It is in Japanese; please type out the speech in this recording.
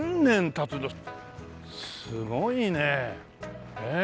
すごいねえ。